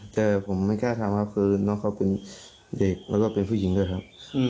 แต่ผมไม่กล้าทำครับคือน้องเขาเป็นเด็กแล้วก็เป็นผู้หญิงด้วยครับ